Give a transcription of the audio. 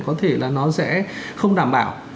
có thể là nó sẽ không đảm bảo